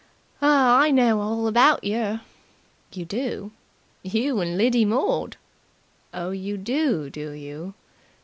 "I know all about yer." "You do?" "You and Lidy Mord." "Oh, you do, do you?"